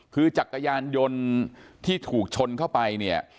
คือจักรยานยนต์ที่ถูกชนเข้าไปเนี่ย